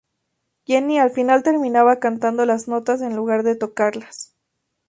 Jenny al final terminaba cantando las notas en lugar de tocarlas.